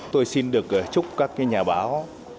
tôi xin được chúc các nhà báo